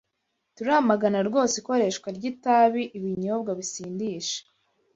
Turamagana rwose ikoreshwa ry’itabi, ibinyobwa bisindisha,